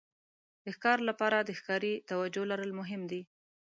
د ښکار لپاره د ښکاري توجو لرل مهم دي.